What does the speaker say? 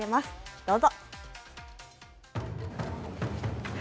どうぞ。